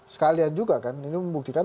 sekalian juga kan ini membuktikan